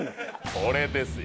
これですよ。